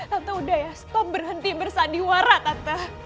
tante udah ya stop berhenti bersandiwara tante